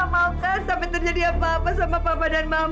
kamu gak mau kan sampai terjadi apa apa sama papa dan mama